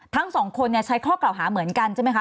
ทั้งสองคนใช้ข้อกล่าวหาเหมือนกันใช่ไหมคะ